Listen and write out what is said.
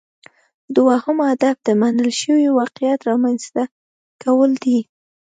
دوهم هدف د منل شوي واقعیت رامینځته کول دي